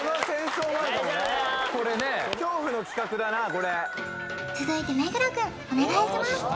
これね続いて目黒くんお願いします